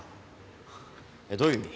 えっどういう意味？